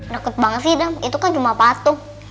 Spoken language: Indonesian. rekut banget sih itu kan cuma patung